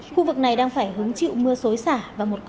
khu vực này đang phải hứng chịu mưa sối xả và một cơn bão khuất quả